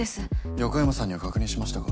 横山さんには確認しましたか？